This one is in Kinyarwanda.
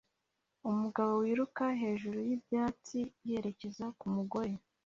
Umugabo wiruka hejuru y'ibyatsi yerekeza ku mugore